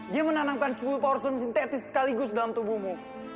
dia menanamkan sepuluh power stone sintetis sekaligus dalam tubuhmu